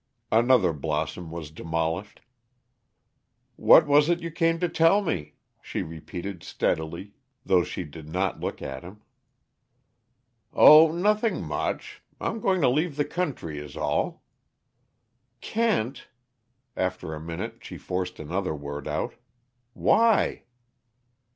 Another blossom was demolished. "What was it you came to tell me?" she repeated steadily, though she did not look at him. "Oh, nothing much. I'm going to leave the country, is all." "Kent!" After a minute she forced another word out. "Why?"